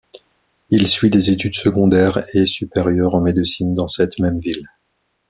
Il suit des études secondaires et supérieures en médecine dans cette même ville.